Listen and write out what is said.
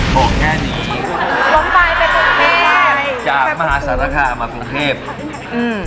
พูดแค่นี้รถไฟไปกรุงเทพฯจากมหาศาลธรรมมากรุงเทพฯอืม